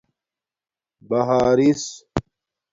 بہارس